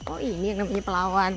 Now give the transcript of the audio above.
oh ini namanya pelawan